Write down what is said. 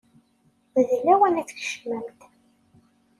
D lawan ad tkecmemt.